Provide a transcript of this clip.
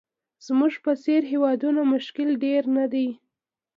زموږ په څېر هېوادونو مشکل ډېر نه دي.